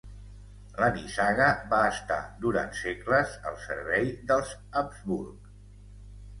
La nissaga va estar durant segles al servei dels Habsburg.